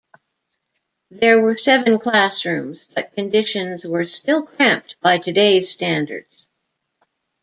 There were seven classrooms, but conditions were still cramped by today's standards.